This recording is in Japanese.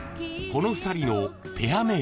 この２人のペア名は？］